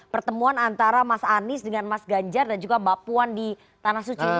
pertemuan antara mas anies dengan mas ganjar dan juga mbak puan di tanah suci